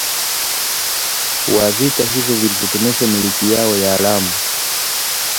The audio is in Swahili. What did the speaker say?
wa vita hivyo viliitemesha milki yao ya Lamu